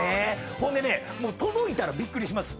ほんで届いたらびっくりします。